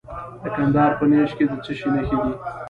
د کندهار په نیش کې د څه شي نښې دي؟